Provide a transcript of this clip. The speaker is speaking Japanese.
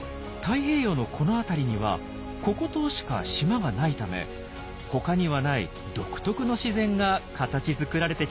太平洋のこの辺りにはココ島しか島がないため他にはない独特の自然が形づくられてきたんですよ。